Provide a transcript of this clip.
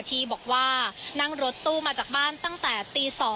ที่บอกว่านั่งรถตู้มาจากบ้านตั้งแต่ตี๒